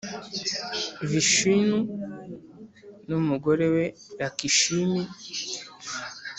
vishinu, n’umugore we lakishimi,